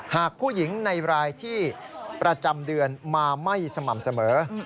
หากผู้หญิงในรายที่ประจำเดือนมาไม่สม่ำเสมอ